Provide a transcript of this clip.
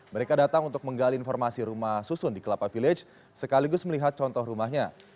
mereka datang untuk menggali informasi rumah susun di kelapa village sekaligus melihat contoh rumahnya